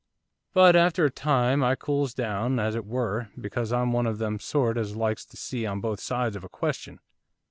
'But after a time I cools down, as it were, because I'm one of them sort as likes to see on both sides of a question.